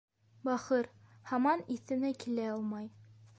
Бахыр, һаман иҫенә килә алмай.